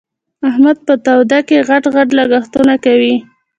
احمد په توده کې؛ غټ غټ لګښتونه کوي.